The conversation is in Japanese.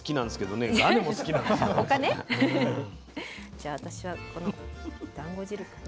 じゃあ私はこの団子汁から。